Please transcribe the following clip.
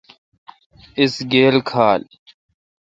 اس گیل کھال۔